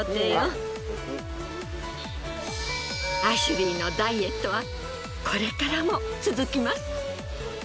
アシュリーのダイエットはこれからも続きます。